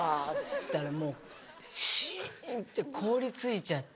そしたらもうシンって凍り付いちゃって。